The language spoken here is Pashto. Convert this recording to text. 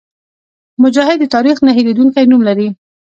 مجاهد د تاریخ نه هېرېدونکی نوم لري.